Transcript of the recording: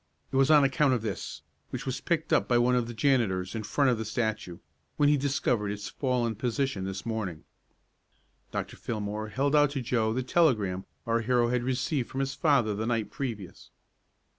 It was on account of this, which was picked up by one of the janitors in front of the statue, when he discovered its fallen position this morning." Dr. Fillmore held out to Joe the telegram our hero had received from his father the night previous!